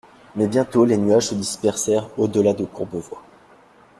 Mais bientôt les nuages se dispersèrent au delà de Courbevoie.